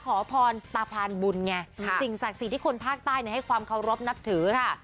ขอพรตาพานบุญไงสิ่งศักดิ์สิทธิ์ที่คนภาคใต้ให้ความเคารพนับถือค่ะ